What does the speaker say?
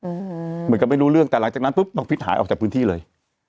เหมือนกับไม่รู้เรื่องแต่หลังจากนั้นปุ๊บบังฟิศหายออกจากพื้นที่เลย